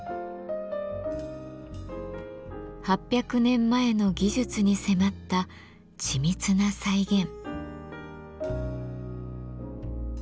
８００年前の技術に迫った緻密な再現。